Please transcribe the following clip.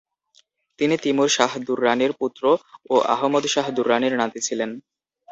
তিনি তিমুর শাহ দুররানির পুত্র ও আহমদ শাহ দুররানির নাতি ছিলেন।